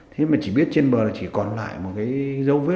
thế mà chỉ biết trên bờ là chỉ còn lại một cái dấu vết là mấy cái viên gạch xể